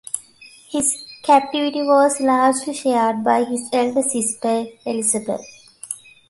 His captivity was largely shared by his elder sister Elizabeth.